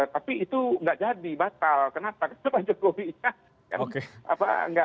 tapi itu nggak jadi batal kita pada saat itu tidak